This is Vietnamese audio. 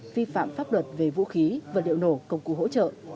vi phạm pháp luật về vũ khí vật liệu nổ công cụ hỗ trợ